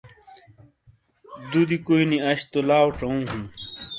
دودی کوئی نی اش تو لاؤ ژوُوں ہوں۔